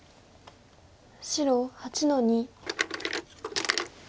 白８の二。